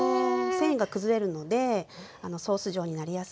繊維が崩れるのでソース状になりやすいです。